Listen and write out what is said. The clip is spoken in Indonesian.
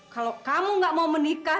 kalau kamu gak mau menikah